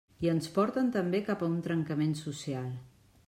I ens porten també cap a un trencament social.